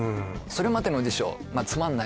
それまでの辞書